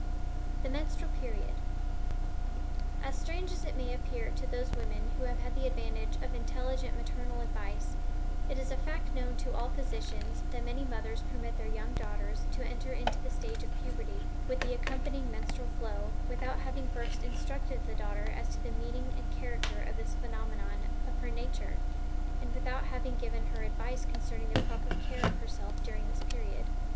THE MENSTRUAL PERIOD. As strange as it may appear to those women who have had the advantage of intelligent maternal advice, it is a fact known to all physicians that many mothers permit their young daughters to enter into the stage of puberty, with the accompanying menstrual flow, without having first instructed the daughter as to the meaning and character of this phenomenon of her nature, and without having given her advice concerning the proper care of herself during this period.